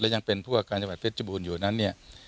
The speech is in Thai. และยังเป็นผู้อาการจังหวัดเฟรชบูรณ์อยู่นั้น